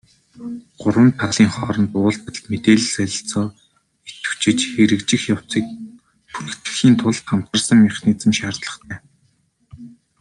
Гурван талын хооронд уулзалт, мэдээлэл солилцоо идэвхжиж, хэрэгжих явцыг түргэтгэхийн тулд хамтарсан механизм шаардлагатай.